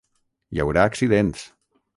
Hi haurà accidents.